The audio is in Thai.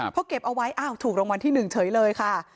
พอเก็บเอาไว้อ้าวถูกรางวัลที่๑เฉยเลยค่ะ